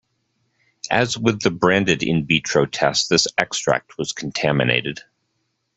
As with the branded in vitro test this extract was contaminated.